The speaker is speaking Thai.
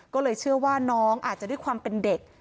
ก็เลยเชื่อว่าน้องอาจจะด้วยความเป็นเด็ก